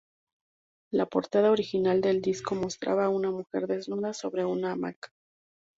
La portada original del disco mostraba a una mujer desnuda sobre una hamaca.